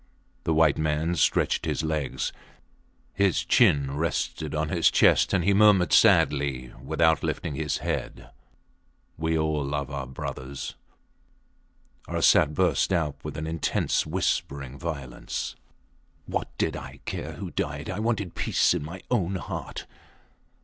The white man stretched his legs. His chin rested on his chest, and he murmured sadly without lifting his head We all love our brothers. Arsat burst out with an intense whispering violence What did I care who died? I wanted peace in my own heart.